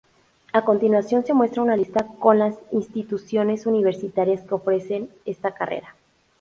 A continuación se muestra una lista con las instituciones universitarias que ofrecen esta carrera.